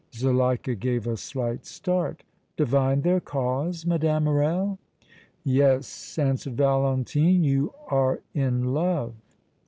Zuleika gave a slight start. "Divined their cause, Mme. Morrel?" "Yes," answered Valentine. "You are in love!"